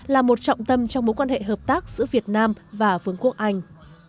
là một trọng tâm trong mối quan hệ hợp tác giữa việt nam và vương quốc anh